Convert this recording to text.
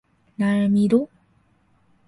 날 믿어?